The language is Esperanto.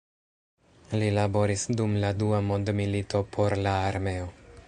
Li laboris dum la dua mondmilito por la armeo.